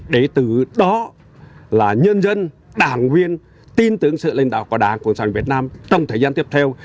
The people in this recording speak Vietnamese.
để từ đó là nhân dân đảng viên tin tưởng sự lãnh đạo của đảng cộng sản việt nam trong thời gian tiếp theo